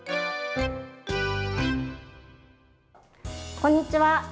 こんにちは。